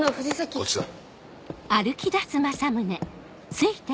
こっちだ。